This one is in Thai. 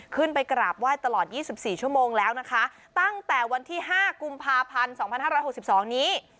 ขึ้นไปกราบไหว้ตลอดยี่สิบสี่ชั่วโมงแล้วนะคะตั้งแต่วันที่ห้ากุมภาพันธ์สองพันห้าร้อยหกสิบสองนี้